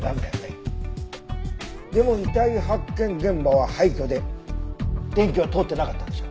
でも遺体発見現場は廃虚で電気は通ってなかったでしょ？